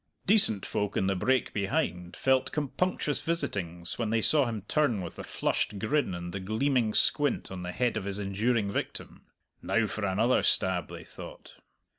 Decent folk in the brake behind felt compunctious visitings when they saw him turn with the flushed grin and the gleaming squint on the head of his enduring victim. "Now for another stab!" they thought.